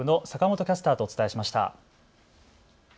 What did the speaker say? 横浜放送局の坂本キャスターとお伝えしました。